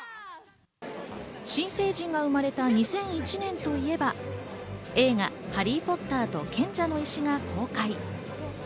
新成人が生まれた２００１年といえば、映画『ハリーポッターと賢者の石』が公開。